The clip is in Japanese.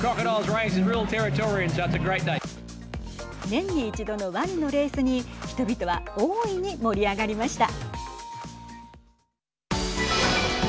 年に一度のわにのレースに人々は大いに盛り上がりました。